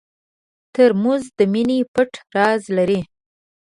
ترموز د مینې پټ راز لري.